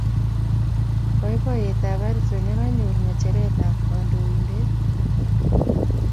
Boiboyetab Harrison ne konyor ngecheret ab kandoindet